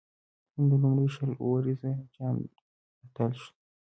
هند د لومړي شل اووريز جام اتل سو.